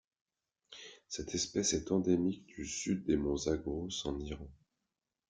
Cette espèce est endémique du Sud des monts Zagros en Iran.